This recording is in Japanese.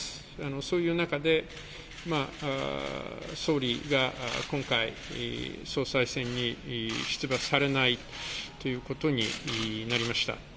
そういう中で、総理が今回、総裁選に出馬されないということになりました。